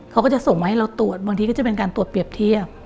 เขาก็จะส่งมาให้เราตรวจบางทีก็จะเป็นการตรวจเปรียบเทียบ